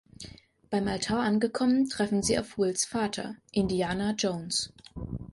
Beim Altar angekommen treffen sie auf Wills Vater: Indiana Jones.